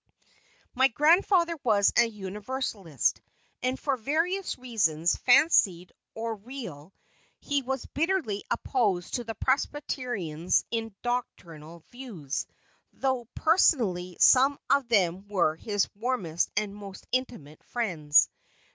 My grandfather was a Universalist, and for various reasons, fancied or real, he was bitterly opposed to the Presbyterians in doctrinal views, though personally some of them were his warmest and most intimate friends.